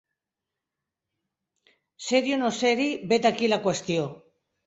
Ser-hi o no ser-hi, vet aquí la qüestió.